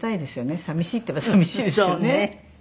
寂しいっていえば寂しいですよね。